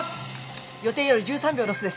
予定より１３秒ロスです。